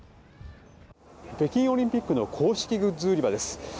北京オリンピックの公式グッズ売り場です。